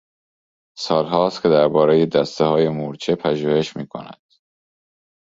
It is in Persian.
سالها است که دربارهی دستههای مورچه پژوهش میکند.